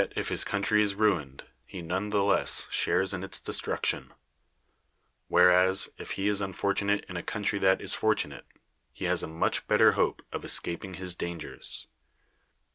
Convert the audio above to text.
27 THE WORLD'S FAMOUS ORATIONS his country is ruined, he none the less shares in its destruction; whereas, if he is unfortunate in a country that is fortunate, he has a much bet ter hope of escaping his dangers.